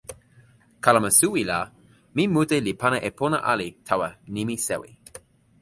kalama suwi la, mi mute li pana e pona ali tawa nimi sewi.